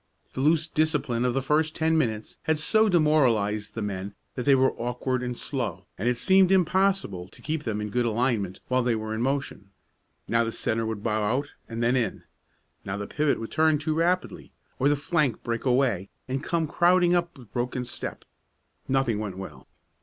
The loose discipline of the first ten minutes had so demoralized the men that they were awkward and slow, and it seemed impossible to keep them in good alignment while they were in motion. Now the centre would bow out and then in; now the pivot would turn too rapidly, or the flank break away and come crowding up with broken step. Nothing went well.